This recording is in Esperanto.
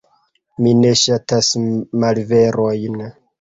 Mi ne ŝatas malverojn.